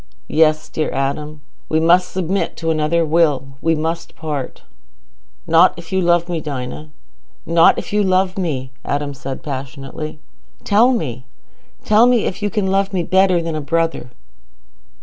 "Yes, dear Adam, we must submit to another Will. We must part." "Not if you love me, Dinah—not if you love me," Adam said passionately. "Tell me—tell me if you can love me better than a brother?"